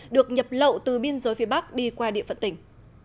được nhập lậu từ biên giới phía bắc đi qua địa phận tỉnh